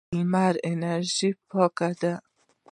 لمر انرژي پاکه ده.